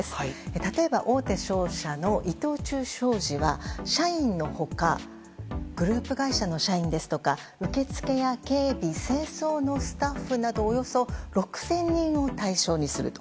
例えば大手商社の伊藤忠商事は社員の他グループ会社の社員ですとか受付や警備、清掃のスタッフなどおよそ６０００人を対象にすると。